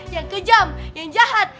yang kejam yang jahat